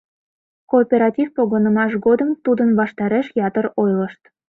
Кооператив погынымаш годым тудын ваштареш ятыр ойлышт.